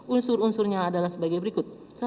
unsur unsurnya adalah sebagai berikut